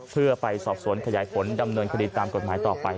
เพื่อไปสอบสวนขยายผลดำเนินคดีตามกฎหมายต่อไป